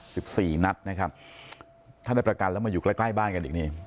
สิบสี่นัดนะครับถ้าได้ประกันแล้วมาอยู่ใกล้ใกล้บ้านกันอีกนี่